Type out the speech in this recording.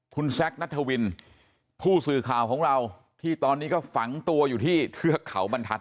คุณแซคนัทวินผู้สื่อข่าวของเราที่ตอนนี้ก็ฝังตัวอยู่ที่เทือกเขาบรรทัศน